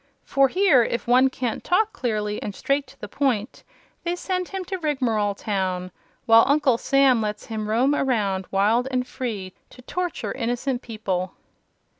For here, if one can't talk clearly, and straight to the point, they send him to Rigmarole Town; while Uncle Sam lets him roam around wild and free, to torture innocent people."